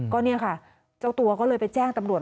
ก็เนี่ยค่ะเจ้าตัวก็เลยไปแจ้งตำรวจ